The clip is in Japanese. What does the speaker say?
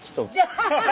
ハハハハ。